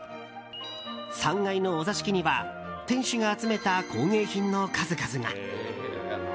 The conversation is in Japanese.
３階のお座敷には店主が集めた工芸品の数々が。